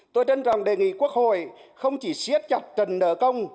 tôi chân rằng đề nghị quốc hội không chỉ siết chặt trần nợ công